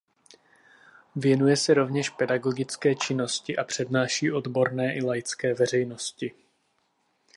Věnuje se rovněž pedagogické činnosti a přednáší odborné i laické veřejnosti.